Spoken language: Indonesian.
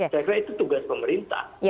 saya kira itu tugas pemerintah